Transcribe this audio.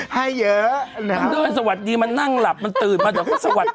ให้เยอะมันเดินสวัสดีมันนั่งหลับมันตื่นมาเดี๋ยวเขาสวัสดี